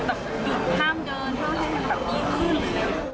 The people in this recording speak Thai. ห้ามให้ดีขึ้น